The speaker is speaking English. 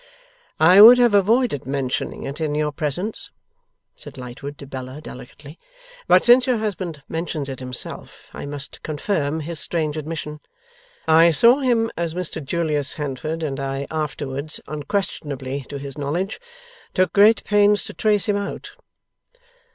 'I would have avoided mentioning it in your presence,' said Lightwood to Bella, delicately; 'but since your husband mentions it himself, I must confirm his strange admission. I saw him as Mr Julius Handford, and I afterwards (unquestionably to his knowledge) took great pains to trace him out.